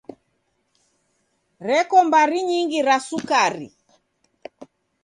Reko mbari nyingi ra sukari.